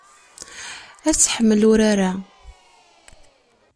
Ad tḥemmel urar-a.